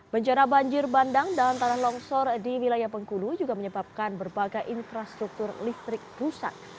bencana banjir bandang dan tanah longsor di wilayah bengkulu juga menyebabkan berbagai infrastruktur listrik rusak